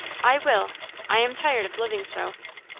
I will! I am tired of living so.